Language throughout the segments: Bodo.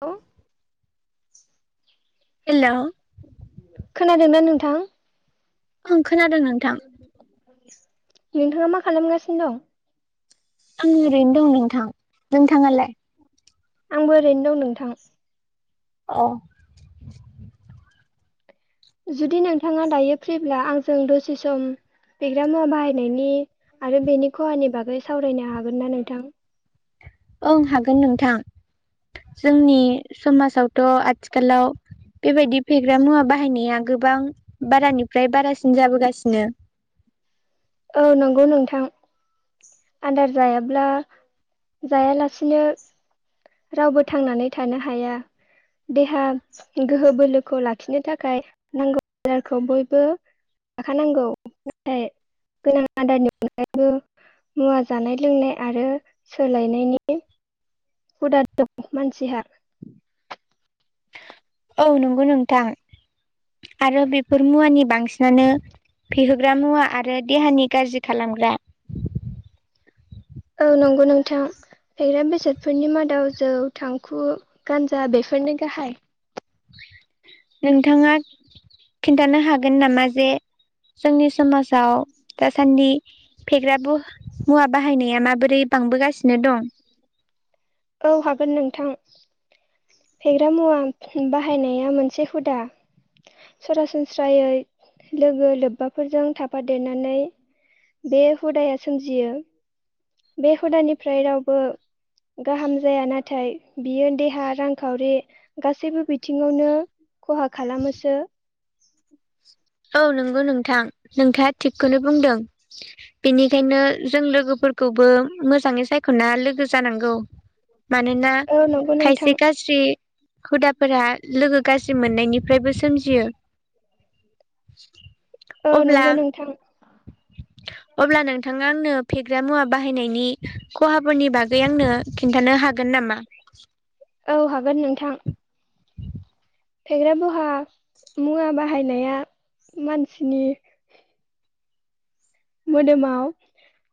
औ हेलौ खोनादोंना नोंथां? आं खोनादों नोंथां। नोंथाङा मा खालामगासिनो दं? आं ओरैनो दं नोंथां नोंथाङालाय? आंबो ओरैनो दं नोंथां। अ जुदि नोंथाङा दायो फ्रिब्ला आंजों दसे सम फेग्रा मुवा बाहायनायनि आरो बेनि खहानि बागै सावरायनो हागोन ना नोंथां? ओं हागोन नोंथां जोंनि समाजावथ' आथिखालाव बेबायदि फेग्रा मुवा बाहायनाया गोबां बारानिफ्राय बारासिन जाबोगासिनो। औ नंगौ नोंथां। आदार जायाब्ला जायालासिनो रावबो थांनानै थानो हाया देहा गोहो बोलोखौ लाखिनो थाखाय नांगौ आदारखौ बयबो लानांगौ नाथाय गोनां आदारनि अनगायैबो मुवा जानाय लोंनाय आरो सोलायनायनि हुदा दं मानसिहा। औ नंगौ नोंथां आरो बेफोर मुवानि बांसिनानो फेहोग्रा मुवा आरो देहानि गाज्रि खालामग्रा औ नंगौ नोंथां फेग्रा बेसादफोरनि मादाव जौ थांखु गान्जा बेफोरनो गाहाय। [inaudible] नोंथाङा खिन्थानो हागोन नामा जे जोंनि समाजाव दासान्दि फेग्रा बो मुवा बाहायनाया माबोरै बांबोगासिनो दं? औ हागोन नोंथां। फेग्रा मुवा बाहायनाया मोनसे हुदा सरासनस्रायै लोगो लोब्बाफोरजों थाफादेरनानै बे हुदाया सोमजियो। बे हुदानिफ्राय रावबो गाहाम जाया नाथाय बियो देहा रांखावरि गासैबो बिथिङावनो खहा खालामोसो। [inaudible] औ नोंगौ नोंथां नोंथाङा थिगखौनो बुंदों बेनिखायनो जों लोगोफोरखौबो मोजाङै सायख'ना लोगो जानांगौ। मानोना औ नंगौ नोंथां खायसे गाज्रि हुदा फोरा लोगो गाज्रि मोन नायनिफ्रायबो सोमजियो। [inaudible] औ अब्ला नंगौ नोंथां अब्ला नोंथाङा आंनो फेग्रा मुवा बाहायनायनि खहाफोरनि बागै आंनो खिन्थानो हागोन नामा? औ हागोन नोंथां फेग्रा बहा मुवा बाहायनाया मानसिनि मोदोमाव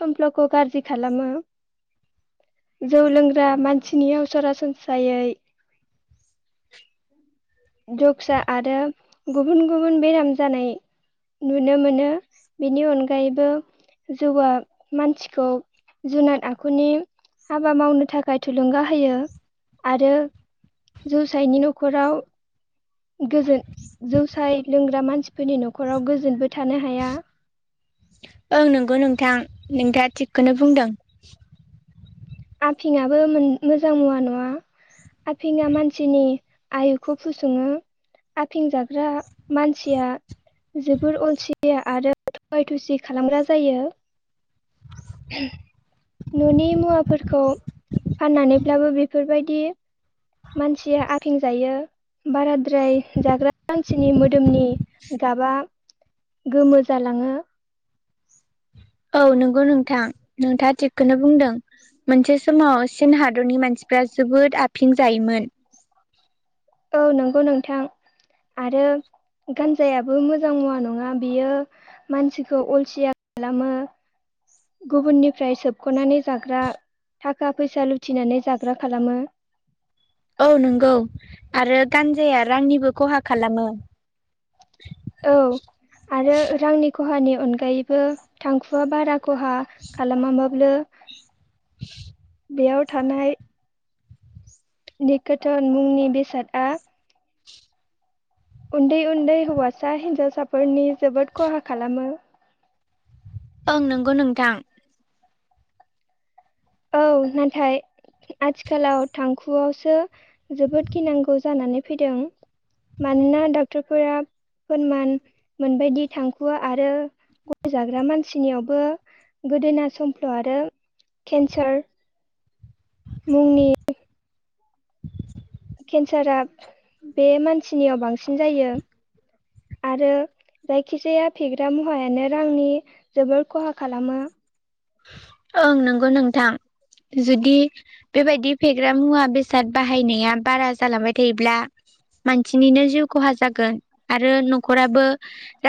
समफ्ल'खौ गाज्रि खालामो जौ लोंग्रा मानसिनियाव सरासनस्रायै जक्सा आरो गुबुन गुबुन बेराम जानाय नुनो मोनो बेनि अनगायैबो जौआ मानसिखौ जुनाद आखुनि हाबा मावनो थाखाय थुलुंगा होयो आरो जौसायनि न'खराव गोजोन जौसाय लोंग्रा मानसि फोरनि न'खराव गोजोनबो थानो हाया ओं नंगौ नोंथां नोंथाङा थिगखौनो बुंदों आफिंबो मोजां मुवा नङा आफिं मानसिनि आयुखौ फुसङो आफिं जाग्रा मानसिया जोबोर अलसिया आरो थगाय थुसि खालामग्रा जायो न'नि मुवा खौ फाननानैब्लाबो बेफोरबायदि मानसिया आफिं जायो बाराद्राय जाग्रा मानसिनि मोदोमनि गाबा गोमो जालाङो औ नंगौ नोंथां नोंथाङा थिगखौनो बुंदों मोनसे समाव सन हादरनि मानसिफ्रा जोबोद आं जायोमोन औ नंगौ नोंथां आरो गानजायाबो मोजां मुवा नङा बियो मानसिखौ अलसिया खालामो गुबुननिफ्राय सोबख'नानै जाग्रा थाखा फैसा लुथिनानै जाग्रा खालामो औ नंगौ आरो गानजाया रांनिबो खहा खालामो औ आरो रांनिखौ खहानि अनगायैबो थांखुवआ बारा खहा खालामाबाबो [inaudible] बेयाव थानाय निकोथोन मुंनि बेसादआ उन्दै उन्दै हौवासा हिन्जावसाफोरनि जोबोद खहा खालामो ओं नंगौ नोंथां औ नाथाय आथिखालाव थांखुआवसो जोबोद गिनांगौ जानानै फैदों मानोना डक्टरफोरा फोरमान मोनबायदि थांखुआ आरो गय जाग्रा मानसिनियावबो गोदोना समफ्ल' आरो केन्सार मुंनि केन्सारा बे मानसिनियाव बांसिन जायो आरो जायखिजाया फेग्रा मुवायानो रांनि जोबोर खहा खालामो ओं नोंगौ नोंथां जुदि बेबायदि फेग्रा मुवा बेसाद बाहायनाया बारा जालांबाय थायोब्ला मानसिनिनो जिउ खहा जागोन आरो न'खराबो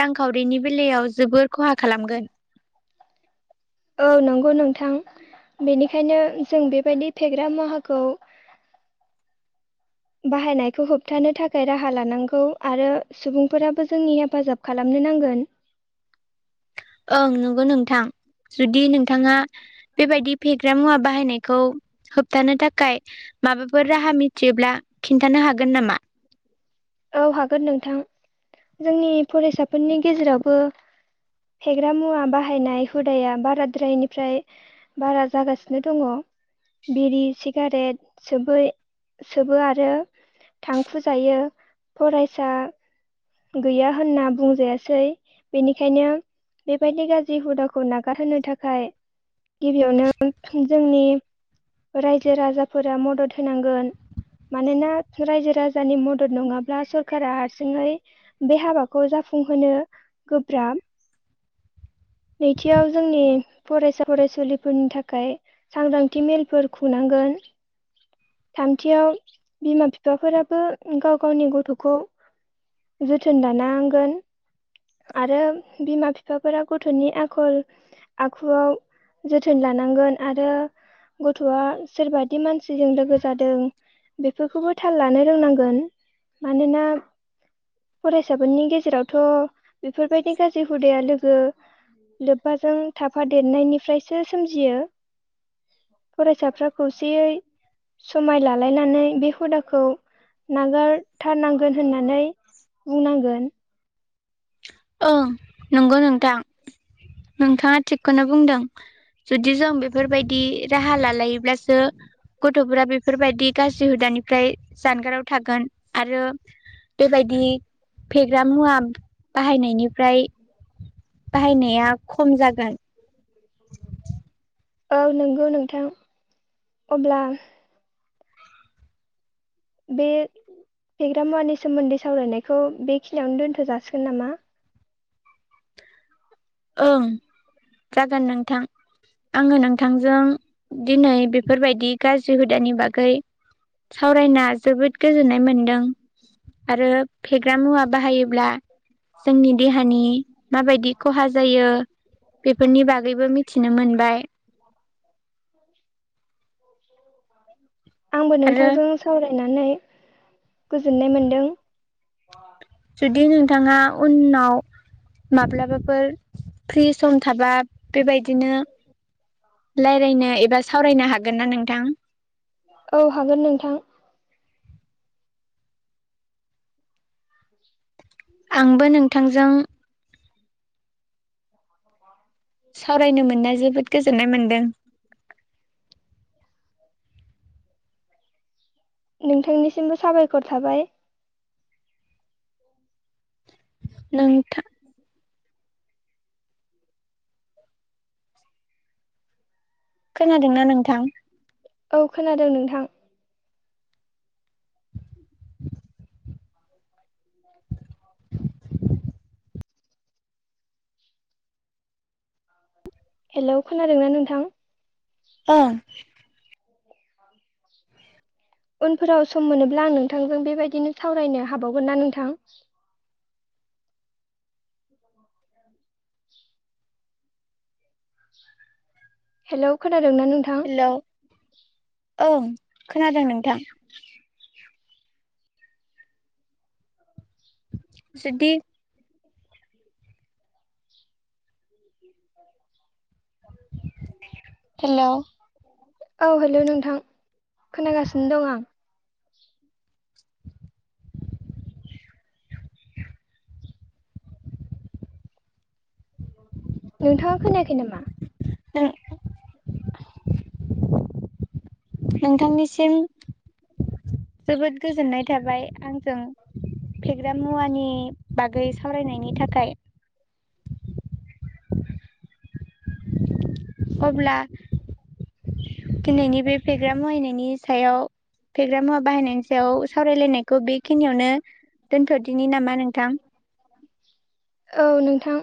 रांखावरिनि बेलायाव जोबोर खहा खालामगोन औ नंगौ नोंथां बेनिखायनो जों बेबायदि फेग्रा मुाहाखौ बाहायनायखौ होबथानो थाखाय राहा लानांगौ आरो सुबुंफोराबो जोंनि हेफाजाब खालामनो नांगोन ओं नंगौ नोंथां जुदि नोंथाङा बेबायदि फेग्रा मुवा बाहायनायखौ होबथानो थाखाय माबाफोर राहा मिथियोब्ला खिन्थानो हागोन नामा औ हागोन नोंथां जोंनि फरायसाफोरनि गेजेरावबो फेग्रा मुवा बाहायनाय हुदाया बाराद्रायनिफ्राय बारा जागासिनो दङ बिरि सिगारेट सोबो आरो थांखु जायो फरायसा गैया होनना बुंजायासै बेनिखायनो बेबायदि गाज्रि हुदाखौ नागारहोनो थाखाय गिबियावनो [unintelligible] जोंनि रायजो राजाफोरा मदद होनांगोन मानोना रायजो राजानि मदद नङाब्ला ब्ला सरकारा हारसिङै बे हाबाखौ जाफुंहोनो गोब्राब नैथियाव जोंनि फरायसा फरायसुलिफोरनि थाखाय सांग्रांथि मेलफोर खुंनांगोन थामथियाव बिमा बिफाफोराबो गाव गावनि गथ'खौ जोथोन लानांगोन आरो बिमा बिफाफोरा गथ'नि आखल आखुआव जोथोन लानांगोन आरो गथ'आ सोरबादि मानसिजों लोगोसे जादों बेफोरखौबो थाल लानो रोंनांगोन मानोना फरायसाफोरनि गेजेरावथ' बेफोरबायदि गाज्रि हुदाया लोगो लोब्बाजों थाफ देरनायनिफ्रायसो सोमजियो फरायसाफ्रा खौसेयै समाय लालायनानै बे हुदाखौ नागारथारनांगोन होननानै बुंनांगोन ओं नंगौ नोंथां नोंथाङा थिगखौनो बुंदों जुदि जों बेफोरबायदि राहा लालायोब्लासो गथ'फोरा बेफोरबायदि गाज्रि हुदानिफ्राय जानगाराव थागोन आरो बेबायदि फेग्रा मुवा बाहायनायनिफ्राय बाहायनाया खम जागोन [inaudible] औ नंगौ नोंथां अब्ला बे फेग्रा मुवानि सोमोन्दै सावरायनायखौ बे खियाववनो दोनथ' जाासिगोन नामा ओं जागोन नोंथां आङो नोंथांजों दिनै बेफोरबायदि गाज्रि हुदानि बागै सावरायना जोबोद गोजोननाय मोनदों आरो फेग्रा मुवा बाहायोब्ला जोंनि देहानि माबायदि खहा जायो बेफोरनि बागैबो मिथिनो मोनबाय। [inaudible] आंबो आरो नोंथांजों सावरायनानै गोजोननाय मोनदों। [inaudible] जुदि नोंथाङा उनाव माब्लाबाफोर फ्रि सम थाबा बेबायदिनो राय्लायनो एबा सावरायनो हागोन ना नोंथां? औ हागोन नोंथां। आंबो नोंथांजों सावरायनो मोननाय जोबोद गोजोननाय मोनदों। नोंथांनिसिमबो साबायखर थाबाय। नोंथां खोनादोंना नोंथां? औ खोनादों नोंथां। हेलौ खोनादोंना नोंथां? ओ उनफोराव सम मोनोब्ला आं नोंथांजों बेबायदिनो सावरायनो हाबावगोन ना नोंथां? हेलौ खोना दों ना नोंथां? हेलौ ओं खोनादों नोंथां। जुदि हेलौ औ हेलौ नोंथां खोनागासिनो दं आं। [inaudible] नोंथाङा खोनायाखै नामा? नों नोंथांनिसिम जोबोद गोजोननाय थाबाय आंजों फेग्रा मुवानि बागै सावरायनायनि थाखाय। अब्ला दिनैनि बे फेग्रा मुवायनायनि सायाव फेग्रा मुवा बाहायनायनि सायाव सावरायलायनायखौ बेखिनियावनो दोनथदिनि नामा नोंथां? औ नोंथां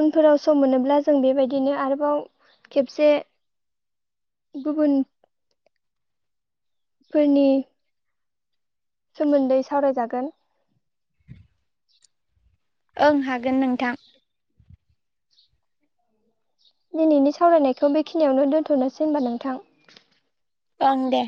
उनफोराव सम मोनोब्ला जों बेबायदिनो आरोबाव खेबसे गुबुन फोरनि सोमोन्दै सावरायजागोन। ओं हागोन नोंथां। दिनैनि सावरायनायखौ बेखिनियावनो दोन्थनोसै होनबा नोंथां। ओं दे।